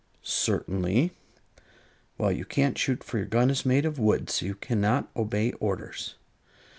"Certainly." "Well, you can't shoot, for your gun is made of wood. So you cannot obey orders."